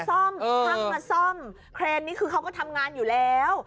ห้ามมาซ่อมเครนนี้คือเขาก็ทำงานอยู่แล้ว